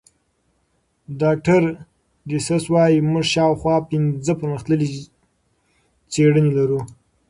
ډاکټر ډسیس وايي موږ شاوخوا پنځه پرمختللې څېړنې لرو.